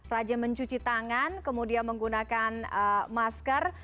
rajin mencuci tangan kemudian menggunakan masker